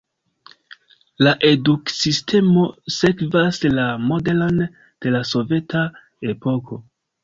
La eduksistemo sekvas la modelon de la soveta epoko.